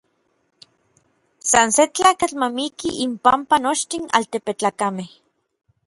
San se tlakatl ma miki inpampa nochtin altepetlakamej.